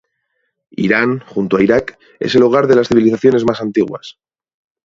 Irán, junto a Irak, es el hogar de las civilizaciones más antiguas.